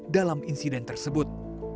dalam insiden tersebut